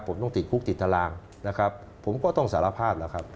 ผมต้องติดคุกติดตารางนะครับผมก็ต้องสารภาพแล้วครับ